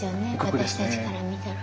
私たちから見たら。